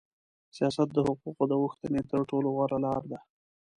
سیاست د حقوقو د غوښتنې تر ټولو غوړه لار ده.